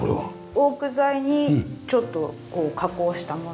オーク材にちょっと加工したもの。